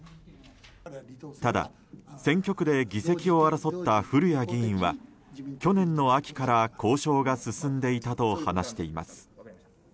ただ、選挙区で議席を争った古屋議員は去年の秋から交渉が進んでいたと話しています。